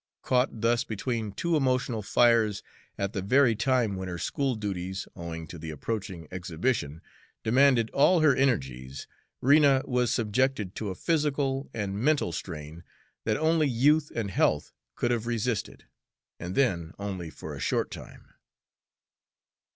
Caught thus between two emotional fires, at the very time when her school duties, owing to the approaching exhibition, demanded all her energies, Rena was subjected to a physical and mental strain that only youth and health could have resisted, and then only for a short time.